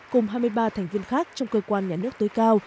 cùng hai mươi ba thành viên khác trong cơ quan nhà nước tối cao